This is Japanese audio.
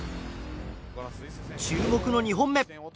注目の２本目。